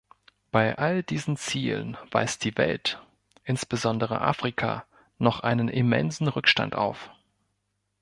Bei all diesen Zielen weist die Welt, insbesondere Afrika, noch einen immensen Rückstand auf.